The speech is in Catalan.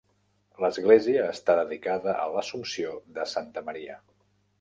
L'església està dedicada a l'Assumpció de Santa Maria.